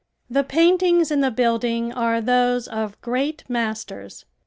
The paintings in the building are those of great masters.